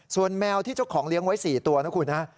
ส่วนแมวที่เจ้าของเลี้ยงไว้๔ตัวนะคุณฮะ